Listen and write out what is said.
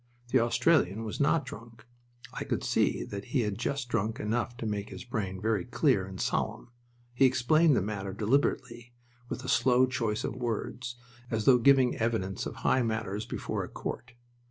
The Australian was not drunk. I could see that he had just drunk enough to make his brain very clear and solemn. He explained the matter deliberately, with a slow choice of words, as though giving evidence of high matters before a court.